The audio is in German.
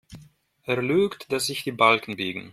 Er lügt, dass sich die Balken biegen.